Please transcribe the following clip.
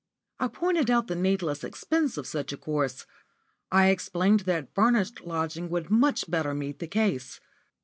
I pointed out the needless expense of such a course; I explained that furnished lodgings would much better meet the case.